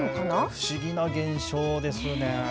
不思議な現象ですね。